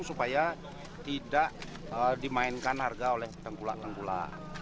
supaya tidak dimainkan harga oleh penggula penggula